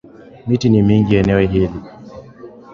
Miti ni mingi eneo hili